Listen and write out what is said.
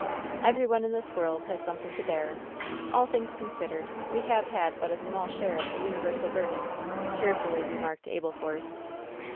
"Every one in this world has something to bear. All things considered, we have had but a small share of the universal burden," cheerfully remarked Abel Force.